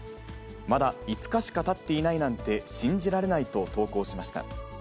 まだ５日しかたっていないなんて信じられないと投稿しました。